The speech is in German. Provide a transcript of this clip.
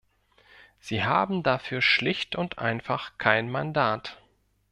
Sie haben dafür schlicht und einfach kein Mandat.